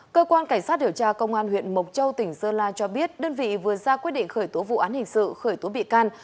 cơ quan cảnh sát điều tra công an huyện mộc châu tỉnh sơn la cho biết đơn vị vừa ra quyết định khởi tố vụ án hình sự khởi tố bị can